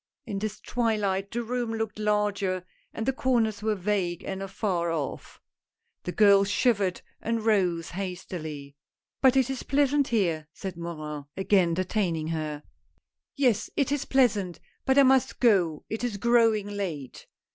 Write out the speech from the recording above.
In this twilight the room looked larger and the corners were vague and afar off. The girl shivered and rose hastily. " But it is pleasant here," said Morin, again detain ing her. A NEW ASPIRANT. 151 " Yes, it is pleasant, but I must go, it is growing late."